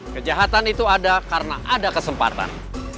kejahatan itu ada karena ada kesempatan